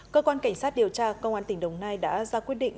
cơ quan cảnh sát điều tra công an tỉnh đồng nai đã ra quyết định